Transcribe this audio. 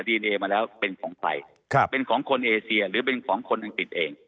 ดีเอมาแล้วเป็นของใครครับเป็นของคนเอเซียหรือเป็นของคนอังกฤษเอง